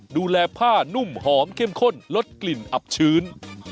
ดูแลผ้านุ่มหอมเข้มข้นลดกลิ่นอับชื้น